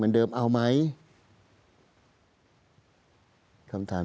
ลุงเอี่ยมอยากให้อธิบดีช่วยอะไรไหม